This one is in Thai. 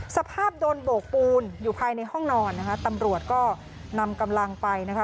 สภาพโดนโบกปูนอยู่ภายในห้องนอนนะคะตำรวจก็นำกำลังไปนะคะ